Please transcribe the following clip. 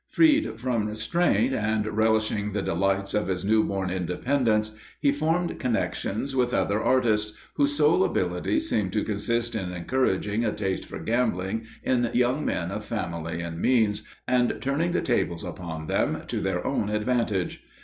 Freed from restraint, and relishing the delights of his new born independence, he formed connections with other artists, whose sole abilities seemed to consist in encouraging a taste for gambling in young men of family and means, and turning the tables upon them to their own advantage.